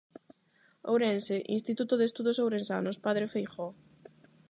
Ourense: Instituto de Estudos Ourensanos "Padre Feijóo".